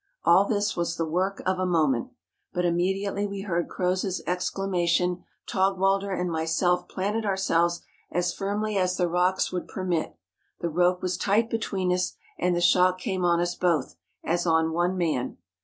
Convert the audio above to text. All this was the work of a moment; but immediately we heard Croz's exclamation Taug walder and myself planted ourselves as firmly as the rocks would permit; the rope was tight between us, and the shock came on us both, as on one man.